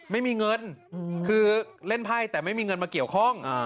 ไม่มีเงินคือเล่นไพ่แต่ไม่มีเงินมาเกี่ยวข้อง